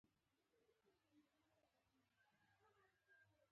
د مقعد د زخم لپاره کوم تېل وکاروم؟